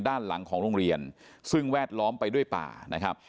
ด้านหลังของโรงเรียนซึ่งแวดล้อมไปด้วยป่านะครับ